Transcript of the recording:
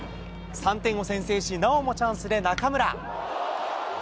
３点を先制し、なおもチャンスで中村。